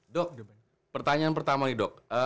dok pertanyaan pertama nih dok